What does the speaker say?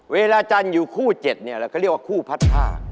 เวลาจันทร์อยู่คู่๗เนี่ยเราก็เรียกว่าคู่พัดผ้า